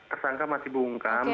tersangka masih bungkam